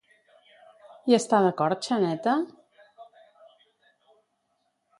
Hi està d'acord Xaneta?